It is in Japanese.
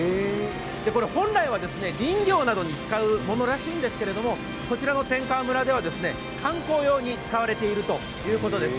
本来は林業などに使うものらしいんですけど、こちらの天川村では観光用に使われているということです。